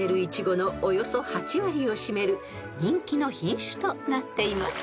［人気の品種となっています］